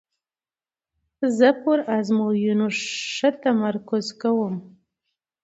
زه پر آزموینو ښه تمرکز کوم.